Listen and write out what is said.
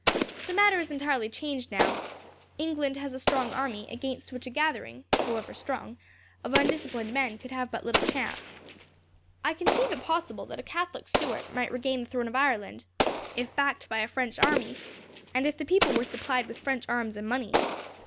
The matter is entirely changed, now. England has a strong army, against which a gathering, however strong, of undisciplined men could have but little chance. I conceive it possible that a Catholic Stuart might regain the throne of Ireland, if backed by a French army, and if the people were supplied with French arms and money.